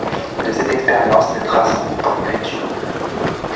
De cette expérience naîtra son goût pour l’écriture.